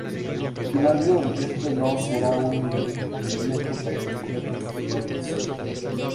Sin embargo esto no sera un impedimento para continuar con sus golpes.